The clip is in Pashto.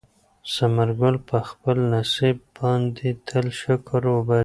ثمر ګل په خپل نصیب باندې تل شکر وباسي.